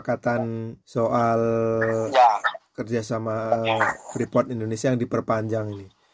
kedekatan soal kerjasama freeport indonesia yang diperpanjang ini